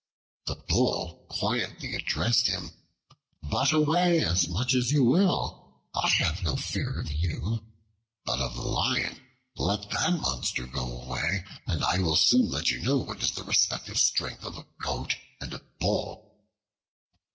The Bull quietly addressed him: "Butt away as much as you will. I have no fear of you, but of the Lion. Let that monster go away and I will soon let you know what is the respective strength of a Goat and a Bull."